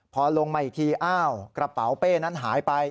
พอลงมาอีกทีอ้าวกระเป๋าเป้นั้นหายไป